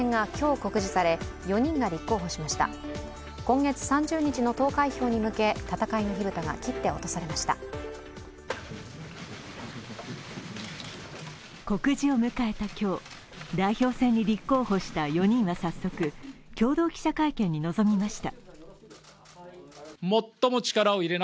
告示を迎えた今日、代表選に立候補した４人は早速、共同記者会見に臨みました。